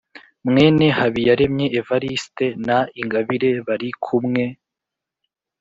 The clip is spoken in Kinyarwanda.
mwene habiyaremye evariste na ingabire bari kumwe